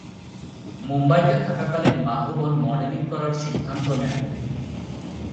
মুম্বাইতে থাকাকালীন মাধবন মডেলিং করার সিদ্ধান্ত নেন।